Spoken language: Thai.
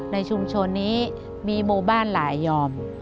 ในชุมชนนี้มีหมู่บ้านหลายยอม